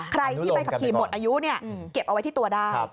ใครที่ไปขับขี่หมดอายุเนี่ยเก็บเอาไว้ที่ตัวได้